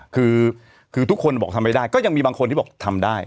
คือทุกคนบอกทำไม่ได้ก็ยังมีบางคนที่บอกทำได้